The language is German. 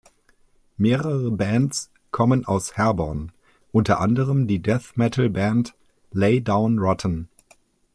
Mehrere Bands kommen aus Herborn, unter anderem die Death-Metal-Band Lay Down Rotten.